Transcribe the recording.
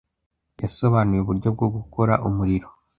Yasobanuye uburyo bwo gukora umuriro.